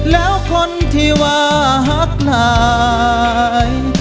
แล้วคนที่ว่าฮักนาย